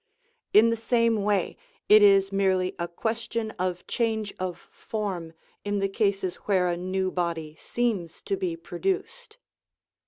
In the same way, it is merely a question of change of form in the cases where a new body seems to be produced.